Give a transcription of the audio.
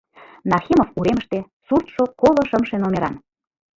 Нахимов уремыште, суртшо коло шымше номеран.